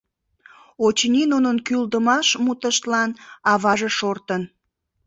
Очыни, нунын кӱлдымаш мутыштлан аваже шортын.